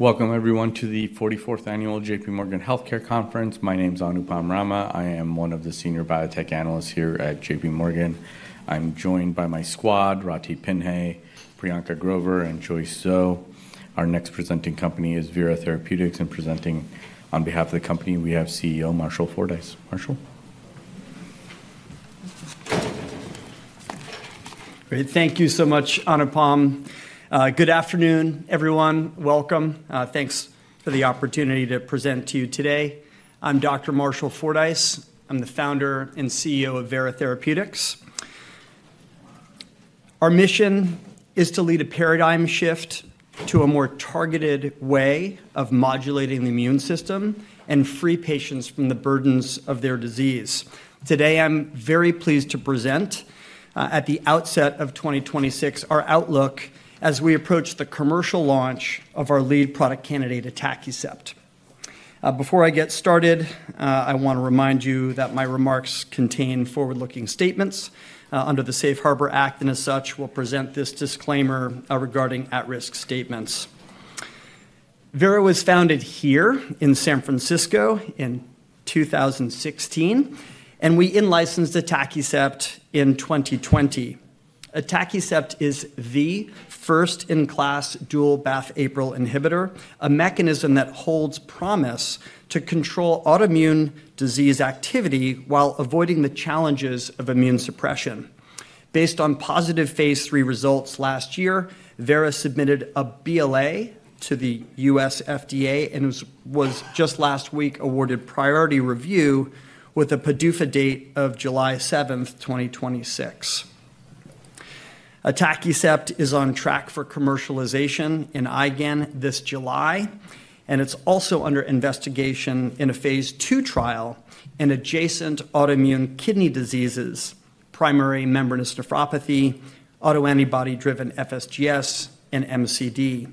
Welcome, everyone, to the 44th Annual JPMorgan Healthcare Conference. My name's Anupam Rama. I am one of the Senior Biotech Analysts here at J.P. Morgan. I'm joined by my squad: Rati Pinhey, Priyanka Grover, and Joyce Zhou. Our next presenting company is Vera Therapeutics, and presenting on behalf of the company, we have CEO Marshall Fordyce. Marshall. Great, thank you so much, Anupam. Good afternoon, everyone. Welcome. Thanks for the opportunity to present to you today. I'm Dr. Marshall Fordyce. I'm the founder and CEO of Vera Therapeutics. Our mission is to lead a paradigm shift to a more targeted way of modulating the immune system and free patients from the burdens of their disease. Today, I'm very pleased to present, at the outset of 2026, our outlook as we approach the commercial launch of our lead product candidate, atacicept. Before I get started, I want to remind you that my remarks contain forward-looking statements under the Safe Harbor Act, and as such, we'll present this disclaimer regarding at-risk statements. Vera was founded here in San Francisco in 2016, and we licensed atacicept in 2020. Atacicept is the first-in-class dual BAFF/APRIL inhibitor, a mechanism that holds promise to control autoimmune disease activity while avoiding the challenges of immune suppression. Based on positive phase III results last year, Vera submitted a BLA to the U.S. FDA and was just last week awarded priority review with a PDUFA date of July 7th, 2026. Atacicept is on track for commercialization in IgAN this July, and it's also under investigation in a phase II trial in adjacent autoimmune kidney diseases: primary membranous nephropathy, autoantibody-driven FSGS, and MCD.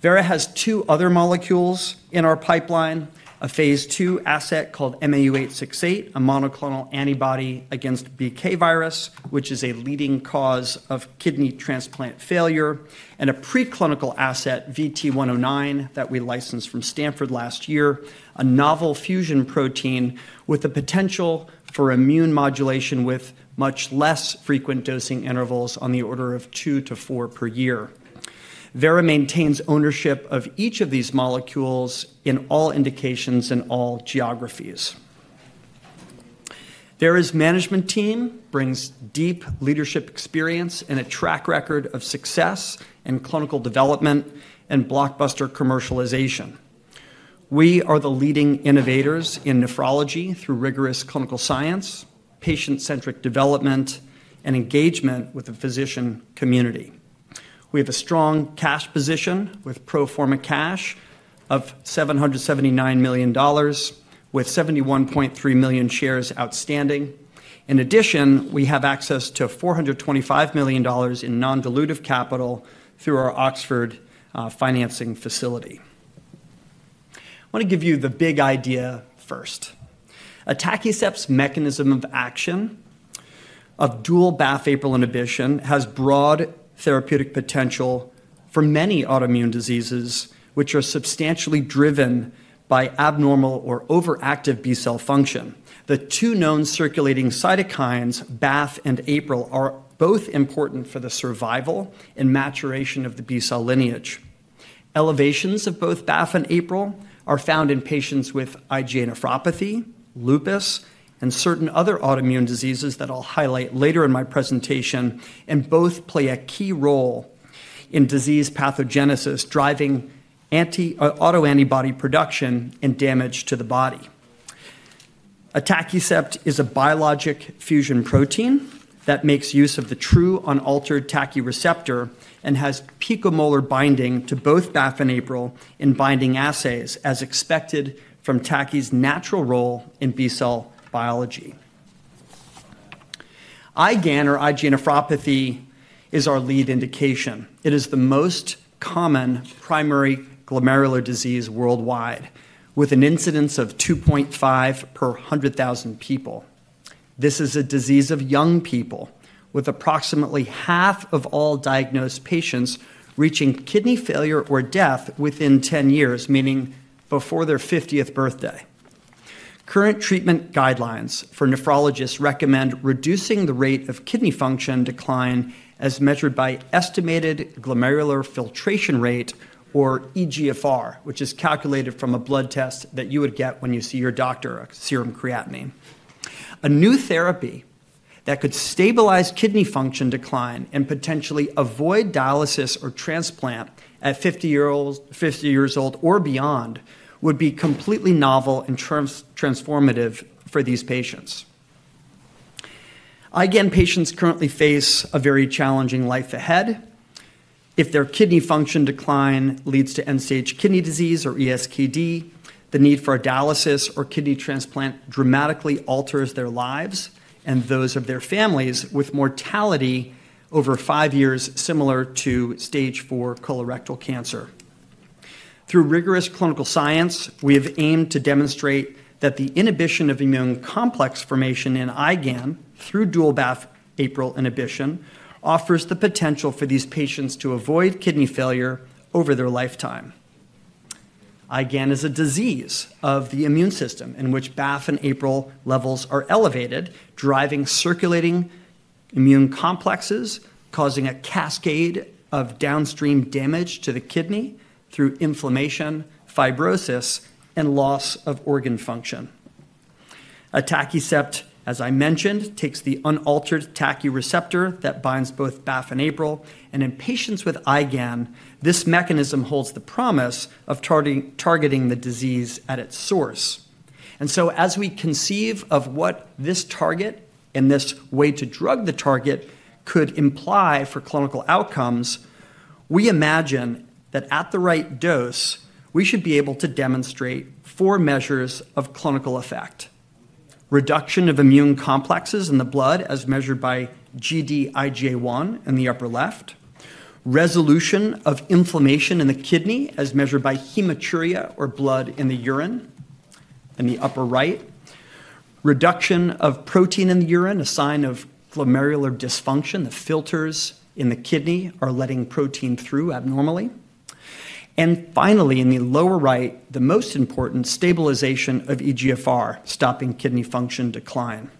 Vera has two other molecules in our pipeline: a phase II asset called MAU868, a monoclonal antibody against BK virus, which is a leading cause of kidney transplant failure, and a preclinical asset, VT-109, that we licensed from Stanford last year, a novel fusion protein with the potential for immune modulation with much less frequent dosing intervals on the order of two to four per year. Vera maintains ownership of each of these molecules in all indications and all geographies. Vera's management team brings deep leadership experience and a track record of success in clinical development and blockbuster commercialization. We are the leading innovators in nephrology through rigorous clinical science, patient-centric development, and engagement with the physician community. We have a strong cash position with pro forma cash of $779 million, with 71.3 million shares outstanding. In addition, we have access to $425 million in non-dilutive capital through our Oxford Finance financing facility. I want to give you the big idea first. Atacicept's mechanism of action of dual BAFF/APRIL inhibition has broad therapeutic potential for many autoimmune diseases, which are substantially driven by abnormal or overactive B-cell function. The two known circulating cytokines, BAFF and APRIL, are both important for the survival and maturation of the B-cell lineage. Elevations of both BAFF and APRIL are found in patients with IgA nephropathy, lupus, and certain other autoimmune diseases that I'll highlight later in my presentation, and both play a key role in disease pathogenesis driving autoantibody production and damage to the body. Atacicept is a biologic fusion protein that makes use of the true unaltered TACI receptor and has picomolar binding to both BAFF and APRIL in binding assays, as expected from TACI's natural role in B-cell biology. IgAN, or IgA nephropathy, is our lead indication. It is the most common primary glomerular disease worldwide, with an incidence of 2.5 per 100,000 people. This is a disease of young people, with approximately half of all diagnosed patients reaching kidney failure or death within 10 years, meaning before their 50th birthday. Current treatment guidelines for nephrologists recommend reducing the rate of kidney function decline as measured by estimated glomerular filtration rate, or eGFR, which is calculated from a blood test that you would get when you see your doctor, a serum creatinine. A new therapy that could stabilize kidney function decline and potentially avoid dialysis or transplant at 50 years old or beyond would be completely novel and transformative for these patients. IgAN patients currently face a very challenging life ahead. If their kidney function decline leads to end-stage kidney disease or ESKD, the need for dialysis or kidney transplant dramatically alters their lives and those of their families, with mortality over five years similar to stage IV colorectal cancer. Through rigorous clinical science, we have aimed to demonstrate that the inhibition of immune complex formation in IgAN through dual BAFF/APRIL inhibition offers the potential for these patients to avoid kidney failure over their lifetime. IgAN is a disease of the immune system in which BAFF and APRIL levels are elevated, driving circulating immune complexes, causing a cascade of downstream damage to the kidney through inflammation, fibrosis, and loss of organ function. Atacicept, as I mentioned, takes the unaltered TACI receptor that binds both BAFF and APRIL, and in patients with IgAN, this mechanism holds the promise of targeting the disease at its source. And so, as we conceive of what this target and this way to drug the target could imply for clinical outcomes, we imagine that at the right dose, we should be able to demonstrate four measures of clinical effect: reduction of immune complexes in the blood as measured by Gd-IgA1 in the upper left; resolution of inflammation in the kidney as measured by hematuria or blood in the urine in the upper right; reduction of protein in the urine, a sign of glomerular dysfunction. The filters in the kidney are letting protein through abnormally. And finally, in the lower right, the most important stabilization of eGFR, stopping kidney function decline.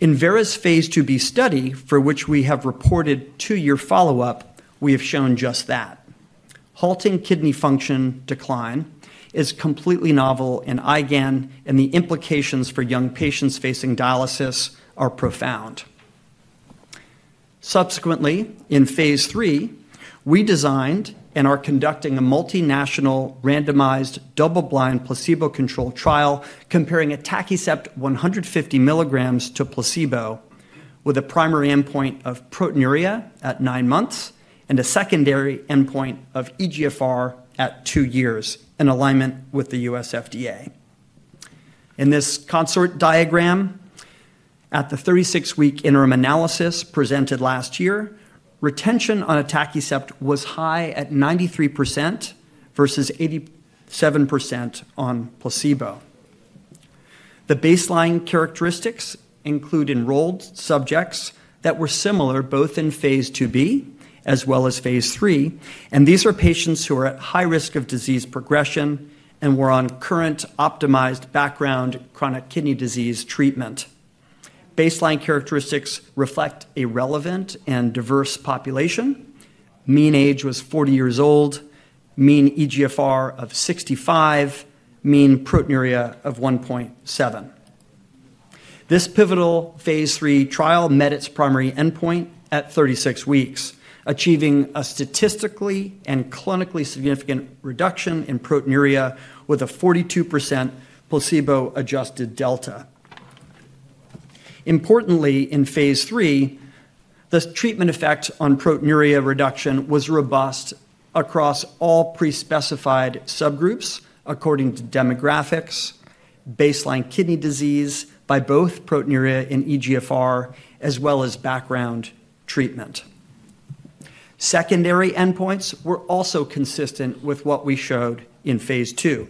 In Vera's phase II-B study, for which we have reported two-year follow-up, we have shown just that. Halting kidney function decline is completely novel in IgAN, and the implications for young patients facing dialysis are profound. Subsequently, in phase III, we designed and are conducting a multinational randomized double-blind placebo-controlled trial comparing atacicept 150 mg to placebo with a primary endpoint of proteinuria at nine months and a secondary endpoint of eGFR at two years, in alignment with the U.S. FDA. In this consort diagram, at the 36-week interim analysis presented last year, retention on atacicept was high at 93% versus 87% on placebo. The baseline characteristics include enrolled subjects that were similar both in phase II-B as well as phase III, and these are patients who are at high risk of disease progression and were on current optimized background chronic kidney disease treatment. Baseline characteristics reflect a relevant and diverse population. Mean age was 40 years old, mean eGFR of 65, mean proteinuria of 1.7. This pivotal phase III trial met its primary endpoint at 36 weeks, achieving a statistically and clinically significant reduction in proteinuria with a 42% placebo-adjusted delta. Importantly, in phase III, the treatment effect on proteinuria reduction was robust across all prespecified subgroups according to demographics, baseline kidney disease by both proteinuria and eGFR, as well as background treatment. Secondary endpoints were also consistent with what we showed in phase II.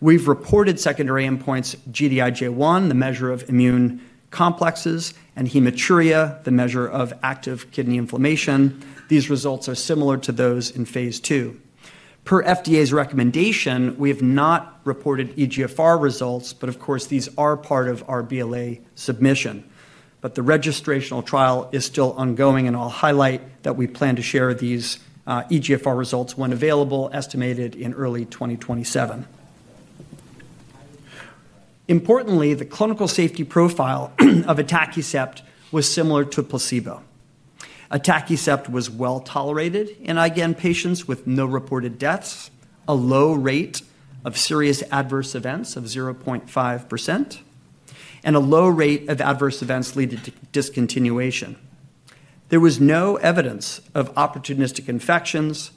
We've reported secondary endpoints Gd-IgA1, the measure of immune complexes, and hematuria, the measure of active kidney inflammation. These results are similar to those in phase II. Per FDA's recommendation, we have not reported eGFR results, but of course, these are part of our BLA submission, but the registrational trial is still ongoing, and I'll highlight that we plan to share these eGFR results when available, estimated in early 2027. Importantly, the clinical safety profile of atacicept was similar to placebo. Atacicept was well tolerated in IgAN patients with no reported deaths, a low rate of serious adverse events of 0.5%, and a low rate of adverse events leading to discontinuation. There was no evidence of opportunistic infections.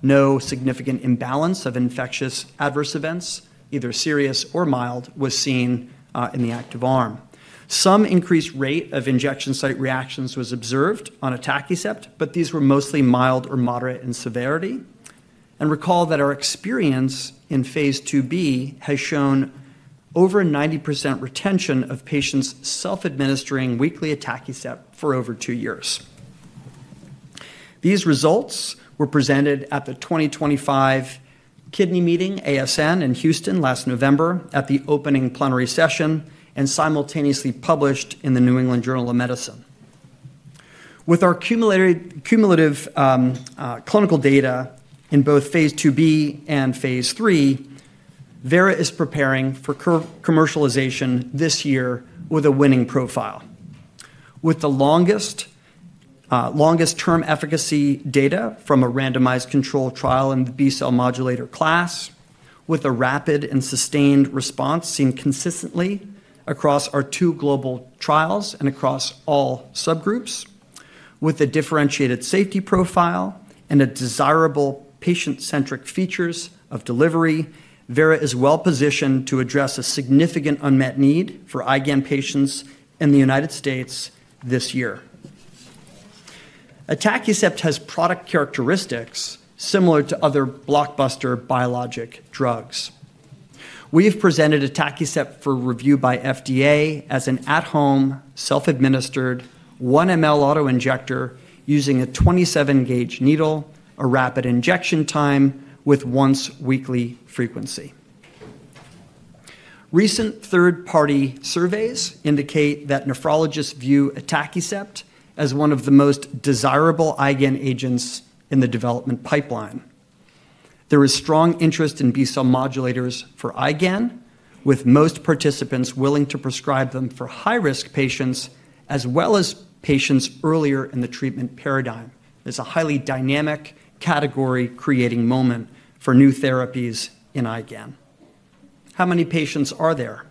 No significant imbalance of infectious adverse events, either serious or mild, was seen in the active arm. Some increased rate of injection site reactions was observed on atacicept, but these were mostly mild or moderate in severity. And recall that our experience in phase II-B has shown over 90% retention of patients self-administering weekly atacicept for over two years. These results were presented at the 2025 Kidney Meeting, ASN, in Houston last November at the opening plenary session and simultaneously published in the New England Journal of Medicine. With our cumulative clinical data in both phase II-B and phase III, Vera is preparing for commercialization this year with a winning profile, with the longest-term efficacy data from a randomized controlled trial in the B-cell modulator class, with a rapid and sustained response seen consistently across our two global trials and across all subgroups. With a differentiated safety profile and desirable patient-centric features of delivery, Vera is well positioned to address a significant unmet need for IgAN patients in the United States this year. Atacicept has product characteristics similar to other blockbuster biologic drugs. We have presented atacicept for review by FDA as an at-home, self-administered 1 mL autoinjector using a 27-gauge needle, a rapid injection time with once-weekly frequency. Recent third-party surveys indicate that nephrologists view atacicept as one of the most desirable IgAN agents in the development pipeline. There is strong interest in B-cell modulators for IgAN, with most participants willing to prescribe them for high-risk patients as well as patients earlier in the treatment paradigm. It's a highly dynamic category-creating moment for new therapies in IgAN. How many patients are there?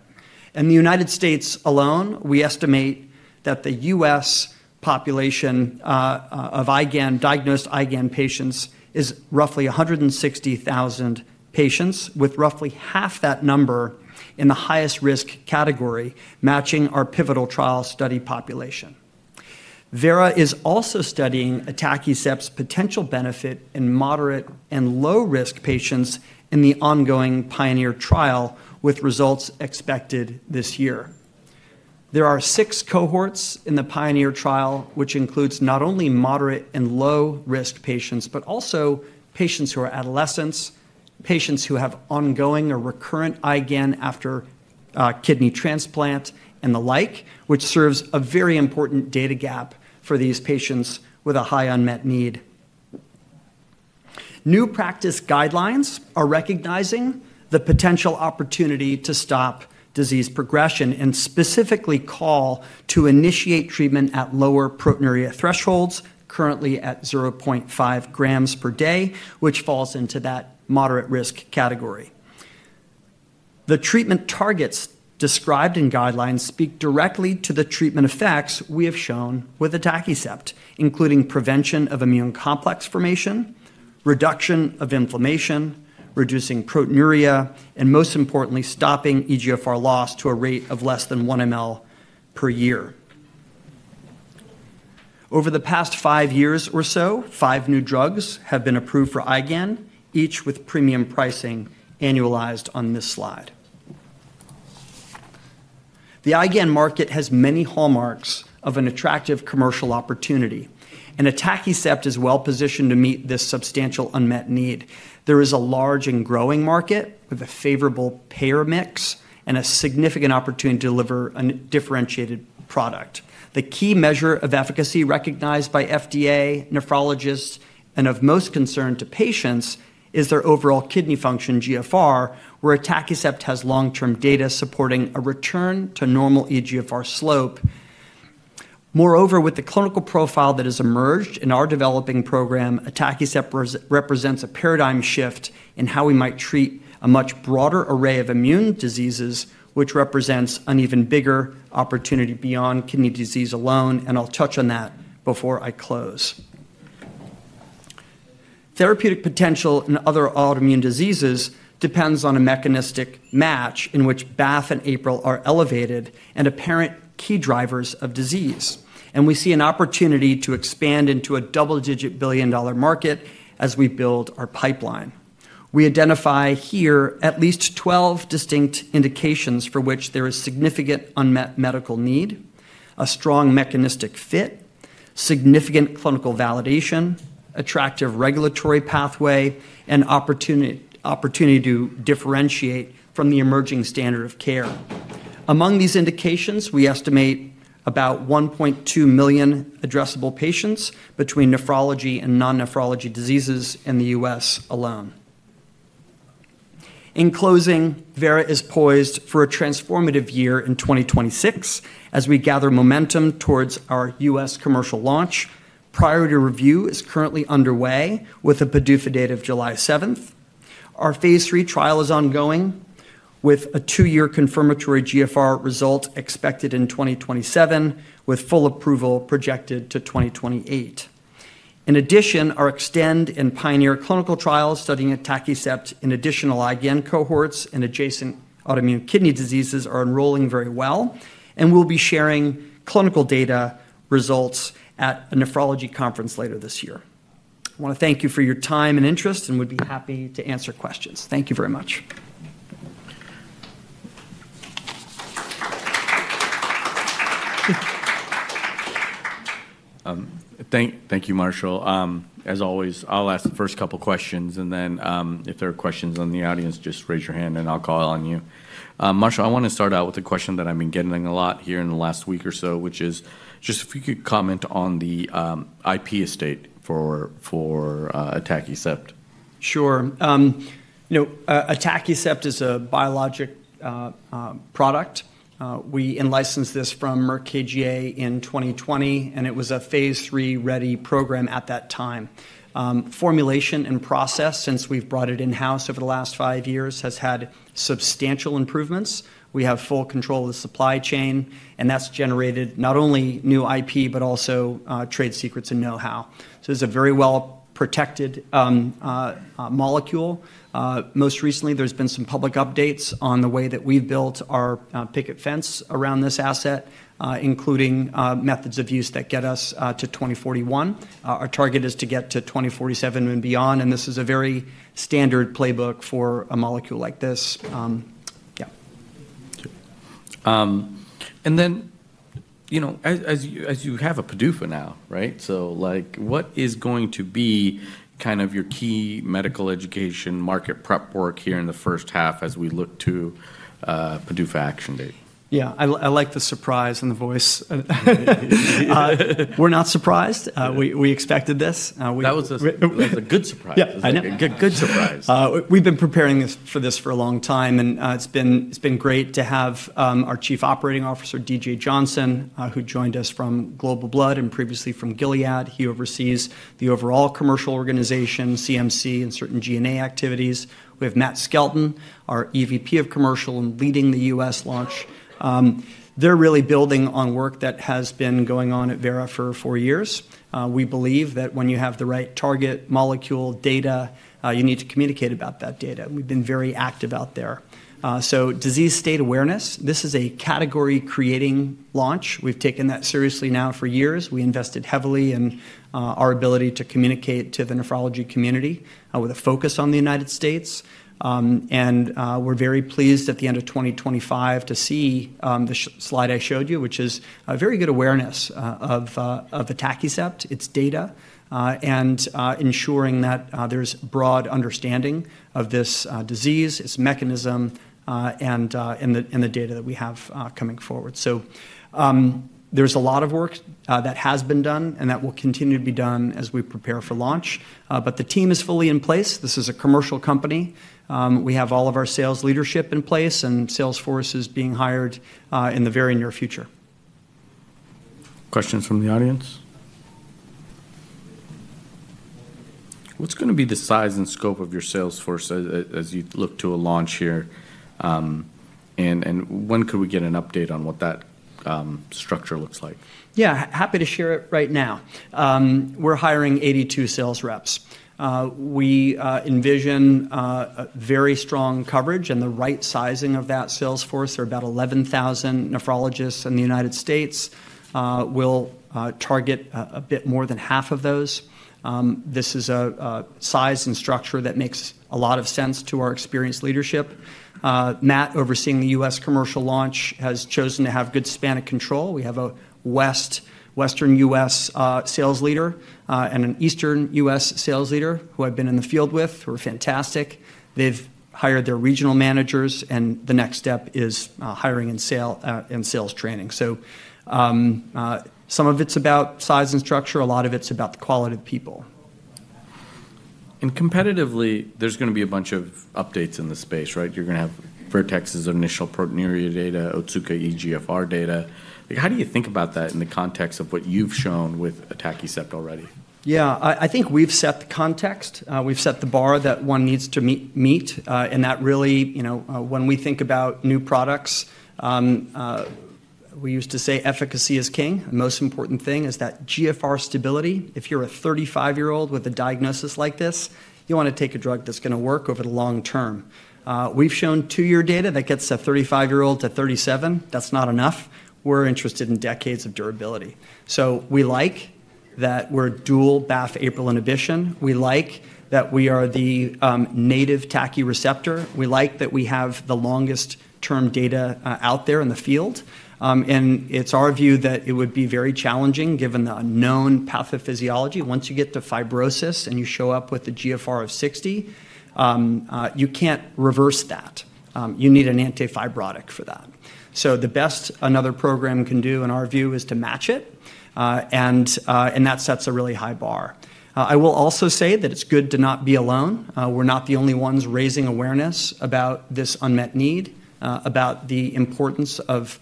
In the United States alone, we estimate that the U.S. population of diagnosed IgAN patients is roughly 160,000 patients, with roughly half that number in the highest-risk category matching our pivotal trial study population. Vera is also studying atacicept's potential benefit in moderate and low-risk patients in the ongoing PIONEER trial, with results expected this year. There are six cohorts in the PIONEER trial, which includes not only moderate and low-risk patients, but also patients who are adolescents, patients who have ongoing or recurrent IgAN after kidney transplant, and the like, which serves a very important data gap for these patients with a high unmet need. New practice guidelines are recognizing the potential opportunity to stop disease progression and specifically call to initiate treatment at lower proteinuria thresholds, currently at 0.5 g per day, which falls into that moderate-risk category. The treatment targets described in guidelines speak directly to the treatment effects we have shown with atacicept, including prevention of immune complex formation, reduction of inflammation, reducing proteinuria, and most importantly, stopping eGFR loss to a rate of less than 1 mL per year. Over the past five years or so, five new drugs have been approved for IgAN, each with premium pricing annualized on this slide. The IgAN market has many hallmarks of an attractive commercial opportunity, and atacicept is well positioned to meet this substantial unmet need. There is a large and growing market with a favorable payer mix and a significant opportunity to deliver a differentiated product. The key measure of efficacy recognized by FDA, nephrologists, and of most concern to patients is their overall kidney function eGFR, where atacicept has long-term data supporting a return to normal eGFR slope. Moreover, with the clinical profile that has emerged in our developing program, atacicept represents a paradigm shift in how we might treat a much broader array of immune diseases, which represents an even bigger opportunity beyond kidney disease alone, and I'll touch on that before I close. Therapeutic potential in other autoimmune diseases depends on a mechanistic match in which BAFF and APRIL are elevated and apparent key drivers of disease, and we see an opportunity to expand into a double-digit billion-dollar market as we build our pipeline. We identify here at least 12 distinct indications for which there is significant unmet medical need, a strong mechanistic fit, significant clinical validation, attractive regulatory pathway, and opportunity to differentiate from the emerging standard of care. Among these indications, we estimate about 1.2 million addressable patients between nephrology and non-nephrology diseases in the U.S. alone. In closing, Vera is poised for a transformative year in 2026 as we gather momentum towards our U.S. commercial launch. Priority review is currently underway with a PDUFA date of July 7th. Our phase III trial is ongoing with a two-year confirmatory GFR result expected in 2027, with full approval projected to 2028. In addition, our Extend and Pioneer clinical trials studying atacicept in additional IgAN cohorts and adjacent autoimmune kidney diseases are enrolling very well, and we'll be sharing clinical data results at a nephrology conference later this year. I want to thank you for your time and interest and would be happy to answer questions. Thank you very much. Thank you, Marshall. As always, I'll ask the first couple of questions, and then if there are questions in the audience, just raise your hand and I'll call on you. Marshall, I want to start out with a question that I've been getting a lot here in the last week or so, which is just if you could comment on the IP estate for atacicept? Sure. Atacicept is a biologic product. We licensed this from Merck KGaA in 2020, and it was a phase III-ready program at that time. Formulation and process, since we've brought it in-house over the last five years, has had substantial improvements. We have full control of the supply chain, and that's generated not only new IP but also trade secrets and know-how. So it's a very well-protected molecule. Most recently, there's been some public updates on the way that we've built our picket fence around this asset, including methods of use that get us to 2041. Our target is to get to 2047 and beyond, and this is a very standard playbook for a molecule like this. Yeah. And then as you have a PDUFA now, right? So what is going to be kind of your key medical education market prep work here in the first half as we look to PDUFA action date? Yeah, I like the surprise in the voice. We're not surprised. We expected this. That was a good surprise. Yeah, a good surprise. We've been preparing for this for a long time, and it's been great to have our Chief Operating Officer, DJ Johnson, who joined us from Global Blood Therapeutics and previously from Gilead Sciences. He oversees the overall commercial organization, CMC, and certain G&A activities. We have Matt Skelton, our EVP of Commercial and leading the U.S. launch. They're really building on work that has been going on at Vera for four years. We believe that when you have the right target molecule data, you need to communicate about that data, and we've been very active out there. So disease state awareness, this is a category-creating launch. We've taken that seriously now for years. We invested heavily in our ability to communicate to the nephrology community with a focus on the United States and we're very pleased at the end of 2025 to see the slide I showed you, which is a very good awareness of atacicept, its data, and ensuring that there's broad understanding of this disease, its mechanism, and the data that we have coming forward. There's a lot of work that has been done and that will continue to be done as we prepare for launch. But the team is fully in place. This is a commercial company. We have all of our sales leadership in place, and sales force is being hired in the very near future. Questions from the audience? What's going to be the size and scope of your sales force as you look to a launch here? And when could we get an update on what that structure looks like? Yeah, happy to share it right now. We're hiring 82 sales reps. We envision a very strong coverage and the right sizing of that sales force. There are about 11,000 nephrologists in the United States. We'll target a bit more than half of those. This is a size and structure that makes a lot of sense to our experienced leadership. Matt, overseeing the U.S. commercial launch, has chosen to have good span of control. We have a Western U.S. sales leader and an Eastern U.S. sales leader who I've been in the field with who are fantastic. They've hired their regional managers, and the next step is hiring and sales training. So some of it's about size and structure. A lot of it's about the quality of people. And competitively, there's going to be a bunch of updates in the space, right? You're going to have Vertex's initial proteinuria data, Otsuka eGFR data. How do you think about that in the context of what you've shown with atacicept already? Yeah, I think we've set the context. We've set the bar that one needs to meet. And that really, when we think about new products, we used to say efficacy is king. The most important thing is that GFR stability. If you're a 35-year-old with a diagnosis like this, you want to take a drug that's going to work over the long term. We've shown two-year data that gets a 35-year-old to 37. That's not enough. We're interested in decades of durability. So we like that we're dual BAFF-APRIL inhibition. We like that we are the native TACI receptor. We like that we have the longest-term data out there in the field. And it's our view that it would be very challenging given the unknown pathophysiology. Once you get to fibrosis and you show up with a GFR of 60, you can't reverse that. You need an antifibrotic for that. So the best another program can do in our view is to match it, and that sets a really high bar. I will also say that it's good to not be alone. We're not the only ones raising awareness about this unmet need, about the importance of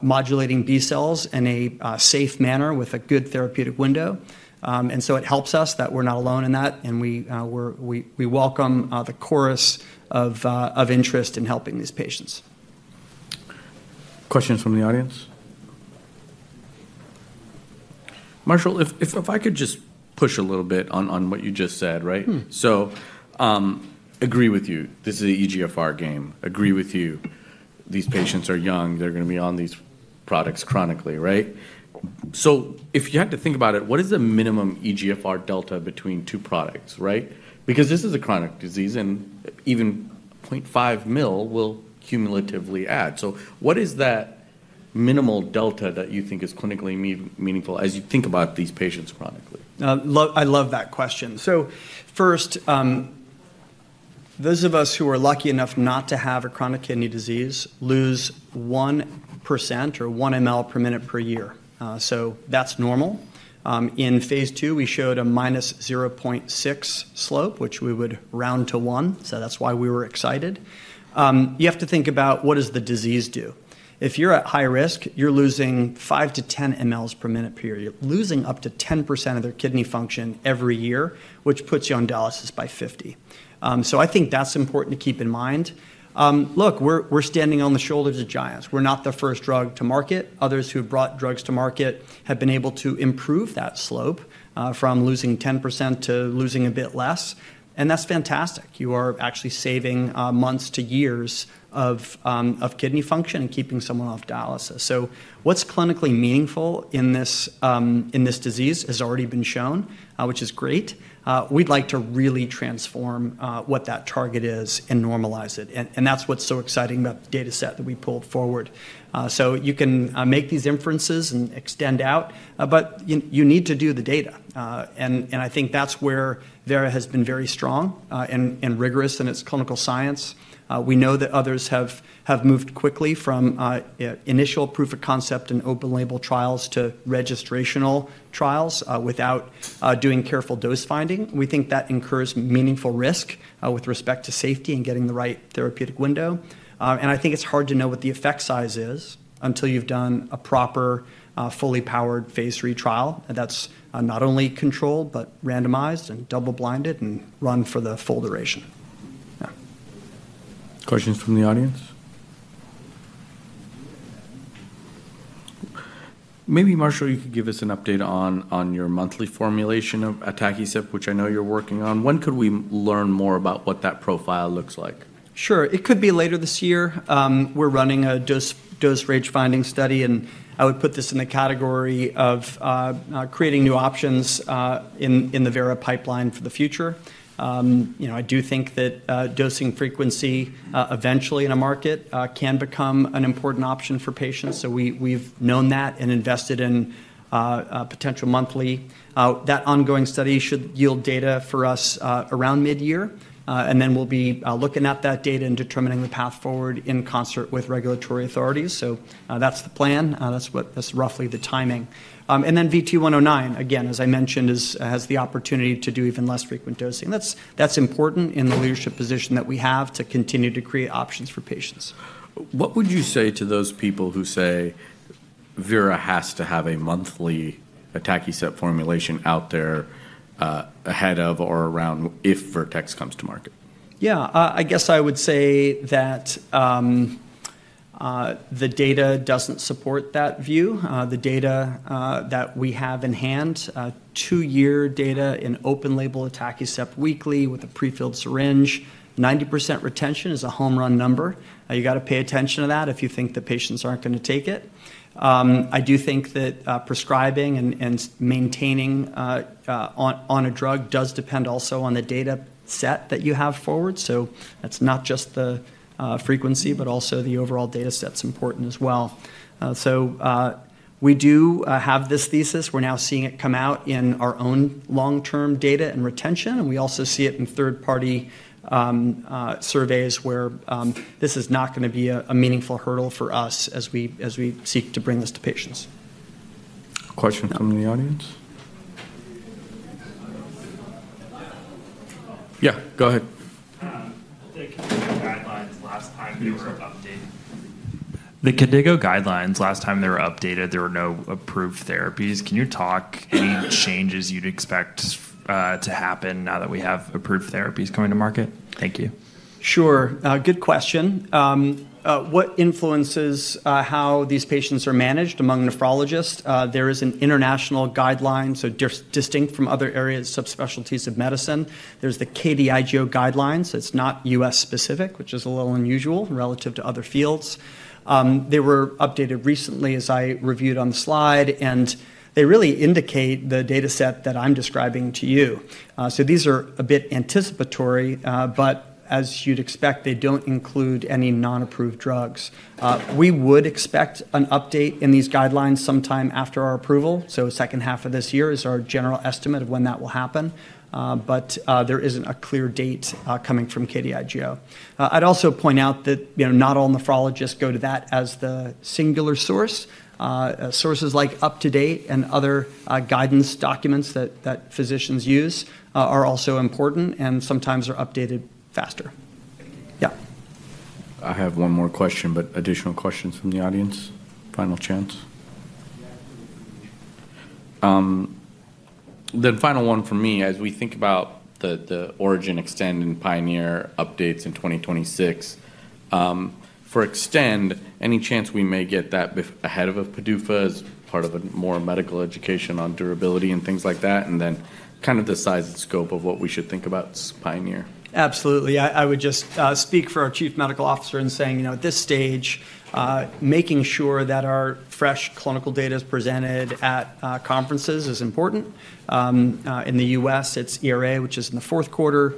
modulating B cells in a safe manner with a good therapeutic window, and so it helps us that we're not alone in that, and we welcome the chorus of interest in helping these patients. Questions from the audience? Marshall, if I could just push a little bit on what you just said, right, so I agree with you. This is an eGFR game. I agree with you. These patients are young. They're going to be on these products chronically, right, so if you had to think about it, what is the minimum eGFR delta between two products, right? Because this is a chronic disease, and even 0.5 mL will cumulatively add, so what is that minimal delta that you think is clinically meaningful as you think about these patients chronically? I love that question. So first, those of us who are lucky enough not to have a chronic kidney disease lose 1% or 1 mL per minute per year. So that's normal. In phase II, we showed a -0.6 slope, which we would round to 1. So that's why we were excited. You have to think about what does the disease do. If you're at high risk, you're losing 5 mL-10 mL per minute per year. You're losing up to 10% of their kidney function every year, which puts you on dialysis by 50. So I think that's important to keep in mind. Look, we're standing on the shoulders of giants. We're not the first drug to market. Others who have brought drugs to market have been able to improve that slope from losing 10% to losing a bit less. And that's fantastic. You are actually saving months to years of kidney function and keeping someone off dialysis. So what's clinically meaningful in this disease has already been shown, which is great. We'd like to really transform what that target is and normalize it. And that's what's so exciting about the dataset that we pulled forward. So you can make these inferences and extend out, but you need to do the data. And I think that's where Vera has been very strong and rigorous in its clinical science. We know that others have moved quickly from initial proof of concept and open-label trials to registrational trials without doing careful dose finding. We think that incurs meaningful risk with respect to safety and getting the right therapeutic window. I think it's hard to know what the effect size is until you've done a proper, fully powered phase III trial that's not only controlled but randomized and double-blinded and run for the full duration. Questions from the audience? Maybe, Marshall, you could give us an update on your monthly formulation of atacicept, which I know you're working on. When could we learn more about what that profile looks like? Sure. It could be later this year. We're running a dose range finding study, and I would put this in the category of creating new options in the Vera pipeline for the future. I do think that dosing frequency eventually in a market can become an important option for patients. So we've known that and invested in potential monthly. That ongoing study should yield data for us around mid-year, and then we'll be looking at that data and determining the path forward in concert with regulatory authorities. So that's the plan. That's roughly the timing. And then VT-109, again, as I mentioned, has the opportunity to do even less frequent dosing. That's important in the leadership position that we have to continue to create options for patients. What would you say to those people who say, "Vera has to have a monthly atacicept formulation out there ahead of or around if Vertex comes to market"? Yeah, I guess I would say that the data doesn't support that view. The data that we have in hand, two-year data in open-label atacicept weekly with a prefilled syringe, 90% retention is a home run number. You got to pay attention to that if you think the patients aren't going to take it. I do think that prescribing and maintaining on a drug does depend also on the dataset that you have forward. So that's not just the frequency, but also the overall dataset's important as well. So we do have this thesis. We're now seeing it come out in our own long-term data and retention, and we also see it in third-party surveys where this is not going to be a meaningful hurdle for us as we seek to bring this to patients. Questions from the audience? Yeah, go ahead. The KDIGO guidelines last time they were updated, there were no approved therapies. Can you talk about any changes you'd expect to happen now that we have approved therapies coming to market? Thank you. Sure. Good question. What influences how these patients are managed among nephrologists? There is an international guideline, so distinct from other areas, subspecialties of medicine. There's the KDIGO guidelines. It's not U.S.-specific, which is a little unusual relative to other fields. They were updated recently, as I reviewed on the slide, and they really indicate the dataset that I'm describing to you. So these are a bit anticipatory, but as you'd expect, they don't include any non-approved drugs. We would expect an update in these guidelines sometime after our approval. So the second half of this year is our general estimate of when that will happen. But there isn't a clear date coming from KDIGO. I'd also point out that not all nephrologists go to that as the singular source. Sources like UpToDate and other guidance documents that physicians use are also important and sometimes are updated faster. Yeah. I have one more question, but additional questions from the audience? Final chance. The final one for me, as we think about the ORIGIN Extend, and PIONEER updates in 2026, for Extend, any chance we may get that ahead of a PDUFA as part of a more medical education on durability and things like that? And then kind of the size and scope of what we should think about PIONEER? Absolutely. I would just speak for our Chief Medical Officer in saying, at this stage, making sure that our fresh clinical data is presented at conferences is important. In the U.S., it's ERA, which is in the fourth quarter.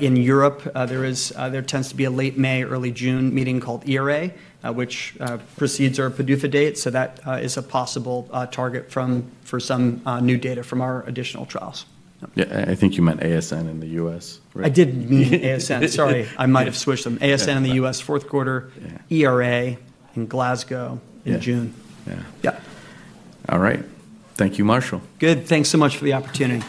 In Europe, there tends to be a late May, early June meeting called ERA, which precedes our PDUFA date. So that is a possible target for some new data from our additional trials. Yeah, I think you meant ASN in the US, right? I did mean ASN. Sorry. I might have switched them. ASN in the U.S., fourth quarter, ERA in Glasgow in June. Yeah. All right. Thank you, Marshall. Good. Thanks so much for the opportunity.